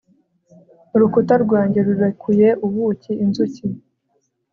Urukuta rwanjye rurekuye ubukiinzuki